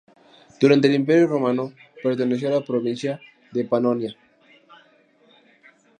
Durante el Imperio Romano perteneció a la provincia de Panonia.